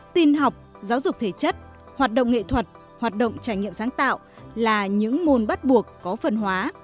tin học giáo dục thể chất hoạt động nghệ thuật hoạt động trải nghiệm sáng tạo là những môn bắt buộc có phần hóa